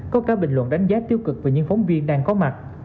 có cả bình luận đánh giá tiêu cực về những phóng viên đang có mặt